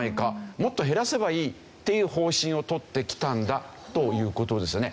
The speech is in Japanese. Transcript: もっと減らせばいいっていう方針をとってきたんだという事ですね。